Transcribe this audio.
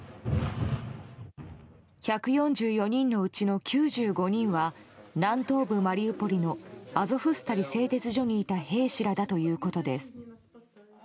１４４人のうちの９５人は南東部マリウポリのアゾフスタリ製鉄所にいた兵士らだということです。